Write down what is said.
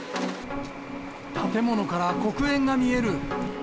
建物から黒煙が見える。